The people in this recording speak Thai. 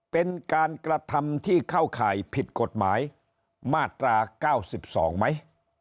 เป็นการกระทำที่เข้าข่ายผิดกฎหมายมาตรา๙๒ไหม